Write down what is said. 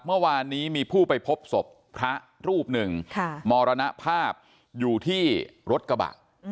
เมื่อวานนี้มีผู้ไปพบศพพระรูปหนึ่งมรณภาพอยู่ที่รถกระบะ